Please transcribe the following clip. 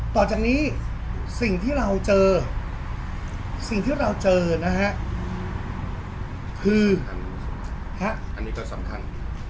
ต่อจากนี้สิ่งที่เราเจอสิ่งที่เราเจอนะฮะคือฮะอันนี้จะสำคัญ